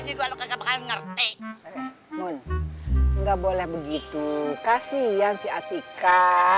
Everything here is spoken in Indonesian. nggak boleh begitu kasih yang siatika